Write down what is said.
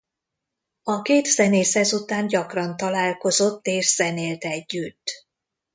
A két zenész ezután gyakran találkozott és zenélt együtt.